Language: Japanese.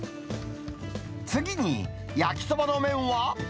次に、焼きそばの麺は？